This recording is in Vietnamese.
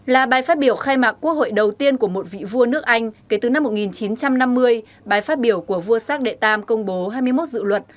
là bài phát biểu khai mạc quốc hội đầu tiên của một vị vua nước anh kể từ năm một nghìn chín trăm năm mươi bài phát biểu của vua sát đệ tam công bố hai mươi một dự luật